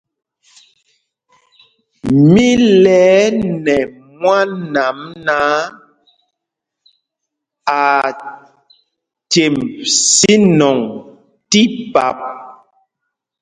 Mi lɛɛ nɛ mwân ām náǎ, aa cemb sínɔŋ tí pap.